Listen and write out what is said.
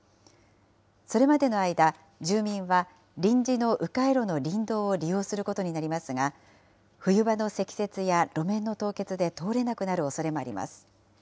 それまでの間、住民は臨時のう回路の林道を利用することになりますが、冬場の積雪や路面の凍結で通れなくなるおそれもあります。